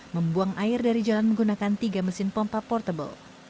membuang air dari jalan menggunakan tiga mesin pompa portable